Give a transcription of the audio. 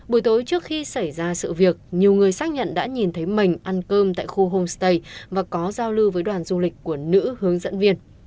buổi tối trước khi xảy ra sự việc nhiều người xác nhận đã nhìn thấy mình ăn cơm tại khu homestay và có giao lưu với đoàn du lịch của nữ hướng dẫn viên